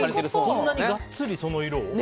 こんなにがっつり、その色を？